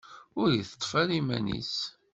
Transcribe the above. Ur iteṭṭef ara iman-is.